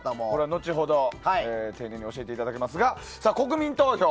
後ほど丁寧に教えていただきますが、国民投票。